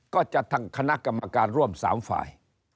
ก็จะตั้งคณะกรรมการร่วม๓ฝ่าย